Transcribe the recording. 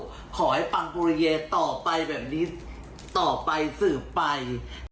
ก็ขอให้ปังปุริเยต่อไปแบบนี้ต่อไปสืบไป